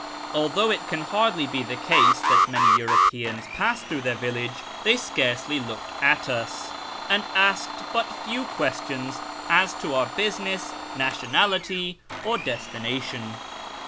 Although it can hardly be the case that many Europeans pass through their village, they scarcely looked at us, and asked Ijut few questions as to our business, nationality, or destination.